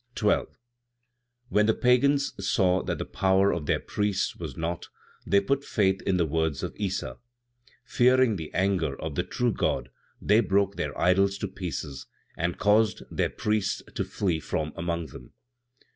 12. When the Pagans saw that the power of their priests was naught, they put faith in the words of Issa. Fearing the anger of the true God, they broke their idols to pieces and caused their priests to flee from among them.